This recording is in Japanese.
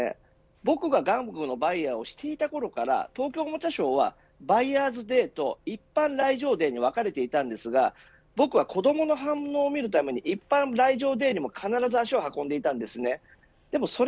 僕が玩具のバイヤーをしていたころから東京おもちゃショーはバイヤーズデーと一般来場デーに分かれていたんですが僕は子どもの反応を見るために一般来場デーにも必ず足を運んでいました。